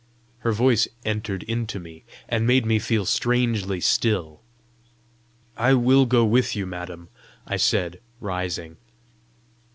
Her voice entered into me, and made me feel strangely still. "I will go with you, madam," I said, rising.